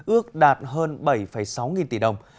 ước đạt hơn bảy sáu nghìn tỷ đồng